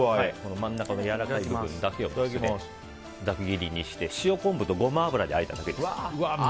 真ん中のやわらかい部分だけをざく切りにして塩昆布とゴマ油であえただけです。